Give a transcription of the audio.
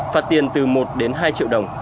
phát tiền từ một đến hai triệu đồng